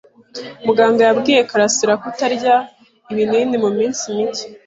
Muganga yabwiye Karasirakutarya ibinini muminsi mike.